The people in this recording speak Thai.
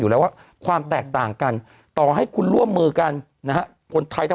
อยู่แล้วว่าความแตกต่างกันต่อให้คุณร่วมมือกันคนไทยทั้ง